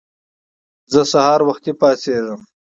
زه سهار وختی پاڅیږم